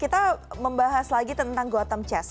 kita membahas lagi tentang gotham chess